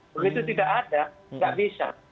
begitu tidak ada tidak bisa